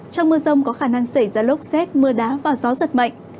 trong mưa rông có khả năng xảy ra lốc xét mưa đá và gió giật mạnh